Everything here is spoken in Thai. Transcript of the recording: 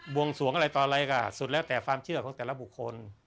วงสวงอะไรต่ออะไรก็สุดแล้วแต่ความเชื่อของแต่ละบุคคล